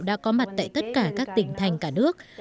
đã có mặt tại tất cả các tỉnh thành cả nước